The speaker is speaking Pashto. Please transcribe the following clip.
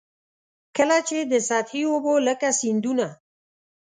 کله چي د سطحي اوبو لکه سیندونه.